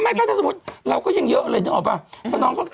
ปะไหมค่ะนืกเราก็ยังเยอะเลยจริงออกปะ